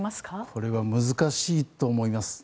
これは難しいと思います。